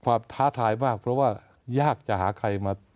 ท้าทายมากเพราะว่ายากจะหาใครมา